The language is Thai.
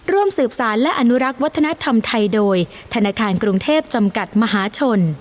ร่วมสืบสารและอนุรักษ์วัฒนธรรมไทยโดยธนาคารกรุงเทพจำกัดมหาชน